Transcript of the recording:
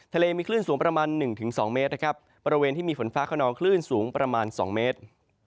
ทะเลมีคลื่นสูงประมาณ๑๒เมตรนะครับบริเวณที่มีฝนฟ้าขนองคลื่นสูงประมาณ๒เมตร